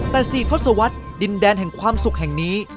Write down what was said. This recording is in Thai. แต่๔ทศวรรษดินแดนแห่งความสุขแห่งนี้